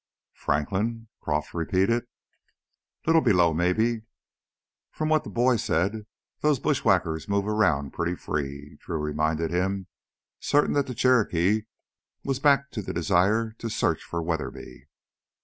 "Franklin ?" Croff repeated. "Little below, maybe. From what that boy said, those bushwhackers move around pretty free," Drew reminded him, certain the Cherokee was back to the desire to search for Weatherby.